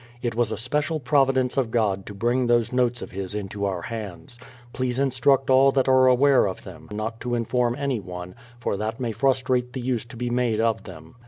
It was a special providence of God to bring those notes of his into our hands. Please instruct all that are aware of them not to inform anyone, for that may frustrate the use to be made of them.